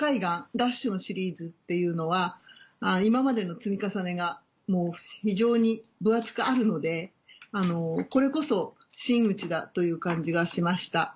ＤＡＳＨのシリーズっていうのは今までの積み重ねがもう非常に分厚くあるのでこれこそ真打ちだという感じがしました。